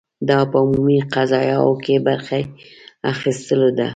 دا په عمومي قضایاوو کې برخې اخیستلو ده.